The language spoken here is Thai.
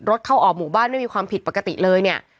เข้าออกหมู่บ้านไม่มีความผิดปกติเลยเนี่ย